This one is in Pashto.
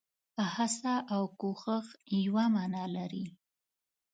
هڅه او کوښښ يوه مانا لري.